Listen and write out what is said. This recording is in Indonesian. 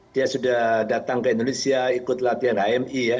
dia sudah datang ke indonesia ikut latihan hmi ya